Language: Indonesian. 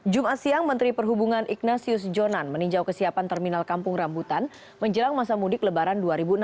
jumat siang menteri perhubungan ignatius jonan meninjau kesiapan terminal kampung rambutan menjelang masa mudik lebaran dua ribu enam belas